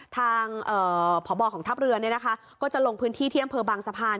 ทางผอบอลของทับเหลือจะลงพื้นที่เที่ยงเพลิงบางสะพาน